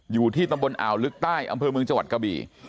อยู่ที่ตำบลอ่าวลึกใต้อำเภอเมืองจังหวัดกะบี่